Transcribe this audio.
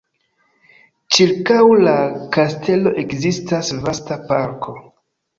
Ĉirkaŭ la kastelo ekzistas vasta parko.